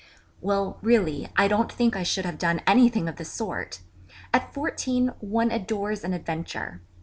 _' Well, really, I don't think I should have done anything of the sort! At fourteen one adores an adventure.